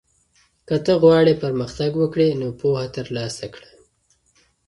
که ته غواړې پرمختګ وکړې نو پوهه ترلاسه کړه.